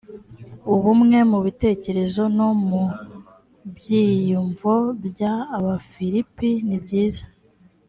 ubumwe mu bitekerezo no mu byiyumvo bya abafilipi nibyiza